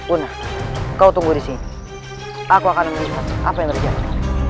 una kau tunggu di sini aku akan melihat apa yang terjadi